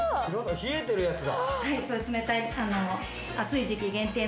冷えてるやつだ。